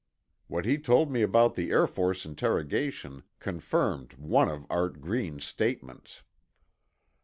What he told me about the Air Force interrogation confirmed one of Art Green's statements.